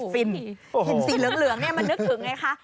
ฟินฟินสีเหลืองมันนึกถึงไงคะ